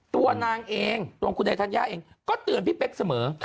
ตัวนางเองตัวคุณไอธัญญาเองก็เตือนพี่เป๊กเสมอ